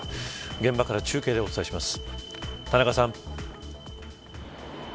現場から中継でお伝えします田中さん。